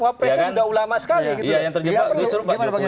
wapresnya sudah ulama sekali gitu ya